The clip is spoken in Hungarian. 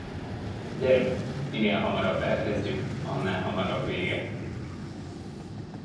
Gyerünk, minél hamarabb elkezdjük, annál hamarabb vége.